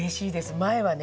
前はね